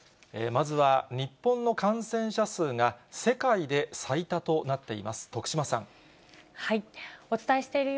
まずは日本の感染者数が、世界で最多となっています。